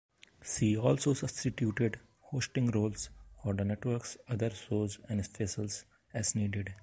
She also substituted hosting roles for the network's other shows and specials, as needed.